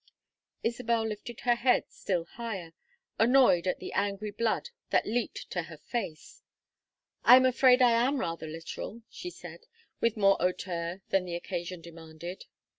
Isabel lifted her head still higher, annoyed at the angry blood that leaped to her face. "I am afraid I am rather literal," she said, with more hauteur than the occasion demanded.